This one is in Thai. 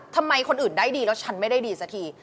ทำไมคนอื่นได้ดีแล้วฉันไม่ได้ดีสักที